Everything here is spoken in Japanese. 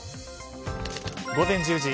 午前１０時。